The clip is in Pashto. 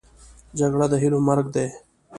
جګړه د هیلو مرګ دی